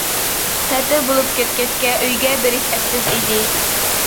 تەتىل بولۇپ كەتكەچكە، ئۆيىگە بېرىش ئەپسىز ئىدى.